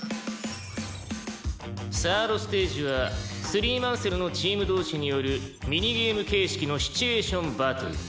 ３ｒｄステージはスリーマンセルのチーム同士によるミニゲーム形式のシチュエーションバトル。